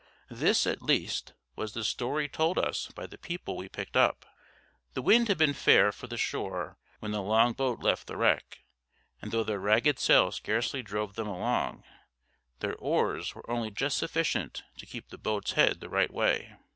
This, at least, was the story told us by the people we picked up. The wind had been fair for the shore when the long boat left the wreck, and though their ragged sail scarcely drove them along, their oars were only just sufficient to keep the boat's head the right way.